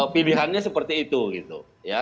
pilihannya seperti itu